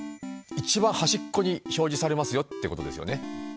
一番端っこに表示されますよってことですよねは。